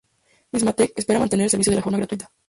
Symantec espera mantener el servicio de forma gratuita.